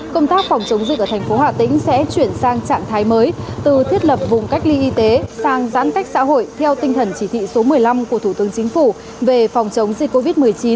công tác phòng chống dịch ở thành phố hà tĩnh sẽ chuyển sang trạng thái mới từ thiết lập vùng cách ly y tế sang giãn cách xã hội theo tinh thần chỉ thị số một mươi năm của thủ tướng chính phủ về phòng chống dịch covid một mươi chín